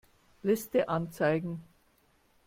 Liste anzeigen.